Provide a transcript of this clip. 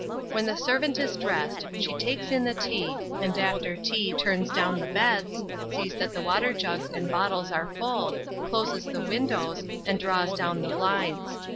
When the servant is dressed, she takes in the tea, and after tea turns down the beds, sees that the water jugs and bottles are full, closes the windows, and draws down the blinds.